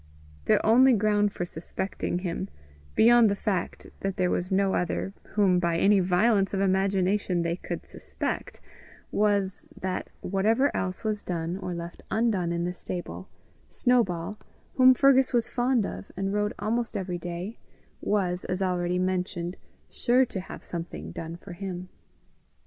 Their only ground for suspecting him, beyond the fact that there was no other whom by any violence of imagination they could suspect, was, that, whatever else was done or left undone in the stable, Snowball, whom Fergus was fond of, and rode almost every day, was, as already mentioned, sure to have something done for him.